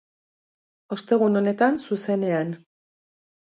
Ostegun honetan, zuzenean.